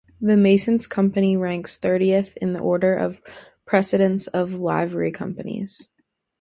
The Masons' Company ranks thirtieth in the order of precedence of Livery Companies.